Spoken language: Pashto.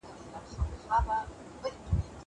زه به اوږده موده لوبي کوم.